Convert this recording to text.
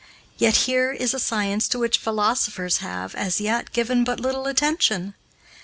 Yet here is a science to which philosophers have, as yet, given but little attention.